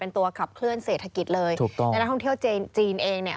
เป็นตัวขับเคลื่อนเศรษฐกิจเลยถูกต้องและนักท่องเที่ยวจีนจีนเองเนี่ย